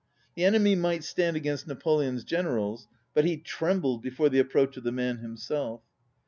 The enemy might stand against Na poleon's generals, but he trembled before the approach of the man himself.